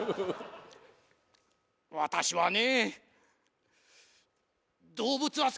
私はね。